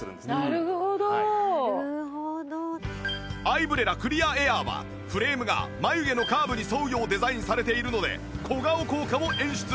アイブレラクリアエアーはフレームが眉毛のカーブに沿うようデザインされているので小顔効果を演出！